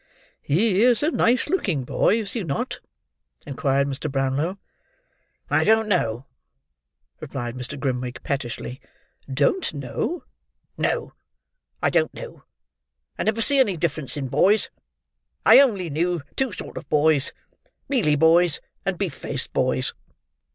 "He is a nice looking boy, is he not?" inquired Mr. Brownlow. "I don't know," replied Mr. Grimwig, pettishly. "Don't know?" "No. I don't know. I never see any difference in boys. I only knew two sort of boys. Mealy boys, and beef faced boys."